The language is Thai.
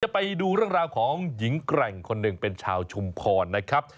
ไปดูเรื่องราวของหญิงแกร่งคนหนึ่งเป็นชาวชุมพรนะครับ